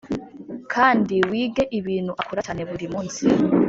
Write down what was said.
kandi wige ibintu akora cyane buri munsi